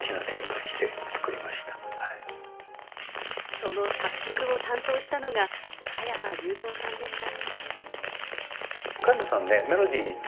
その作曲を担当したのが加山雄三さんでした。